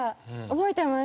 覚えてます。